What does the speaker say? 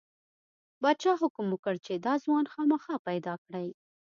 پادشاه حکم وکړ چې دا ځوان خامخا پیدا کړئ.